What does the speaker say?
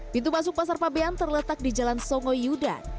pintu masuk pasar fabian terletak di jalan songo yudan